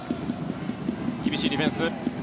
厳しいディフェンス。